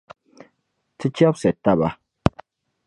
Ti chɛbisi taba.